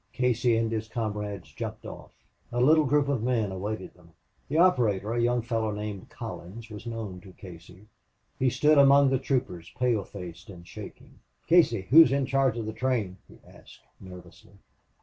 Casey and his comrades jumped off. A little group of men awaited them. The operator, a young fellow named Collins, was known to Casey. He stood among the troopers, pale faced and shaking. "Casey, who's in charge of the train?" he asked, nervously.